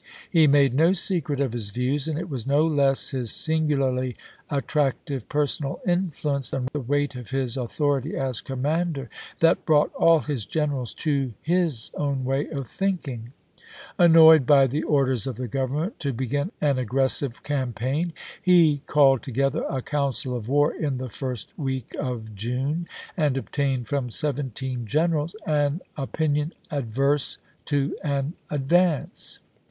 He made no secret of his views, and it was no less his singularly attrac tive personal influence than the weight of his au thority as commander that brought all his generals to his own way of thinking. Annoyed by the Rosecrans orders of the Government to begin an aggressive ^''jSfin';''' campaign, he called together a council of war in w. r^^^Voi. the first week of June, and obtained from seventeen pai t l,' generals an opinion adverse to an advance.